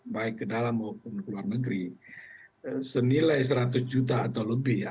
baik ke dalam maupun ke luar negeri senilai seratus juta atau lebih ya